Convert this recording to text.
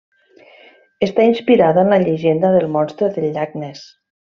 Està inspirada en la llegenda del Monstre del Llac Ness.